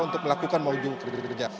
untuk melakukan modul kerja